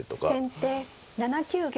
先手７九玉。